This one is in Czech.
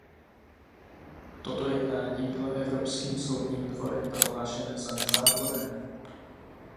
Toto jednání bylo Evropským soudním dvorem prohlášené za nezákonné.